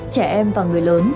trẻ em và người lớn